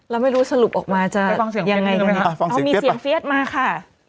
เราไม่รู้สรุปออกมาจะยังไงเอามีเสียงเฟีเอสมาค่ะ